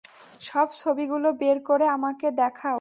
সব ছবিগুলো বের করে আমাকে দেখাও।